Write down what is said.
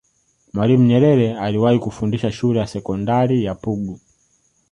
mwalimu nyerere aliwahi kufundisha shule ya sekondari ya pugu